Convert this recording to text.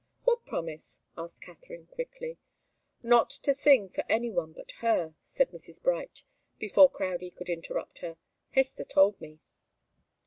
"What promise?" asked Katharine, quickly. "Not to sing for any one but her," said Mrs. Bright, before Crowdie could interrupt her. "Hester told me."